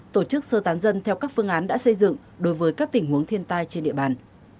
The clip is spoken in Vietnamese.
tổ chức sơ tán dân theo các phương án đã xây dựng đối với các tình huống thiên tai trên địa bàn